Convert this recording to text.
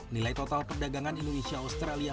nilai total perdagangan indonesia australia